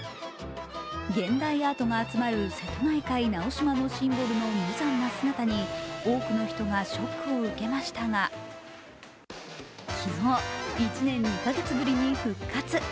現代アートが集まる瀬戸内海直島町のシンボルの無残な姿に多くの人がショックを受けましたが、昨日、１年２か月ぶりに復活。